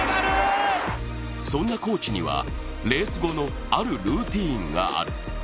そんなコーチにはレース後のあるルーティンがある。